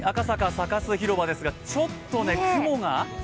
サカス広場ですが、ちょっと雲が？